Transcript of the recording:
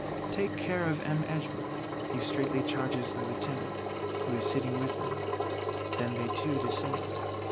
"Take care of M. Edgeworth," he straitly charges the Lieutenant who is sitting with them: then they two descend.